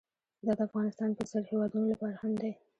دا د افغانستان په څېر هېوادونو لپاره هم دی.